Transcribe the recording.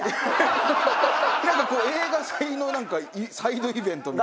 何かこう映画祭の何かサイドイベントみたいな。